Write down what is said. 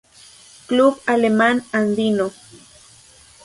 Club Alemán Andino.